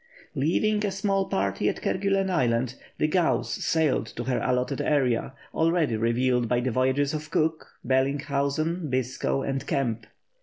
Leaving a small party at Kerguellen Island, the Gauss sailed to her allotted area, already revealed by the voyages of Cook, Bellinghausen, Biscoe, and Kemp.